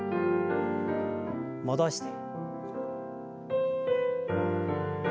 戻して。